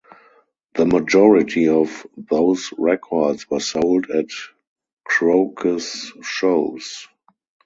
The majority of those records were sold at Croce's shows.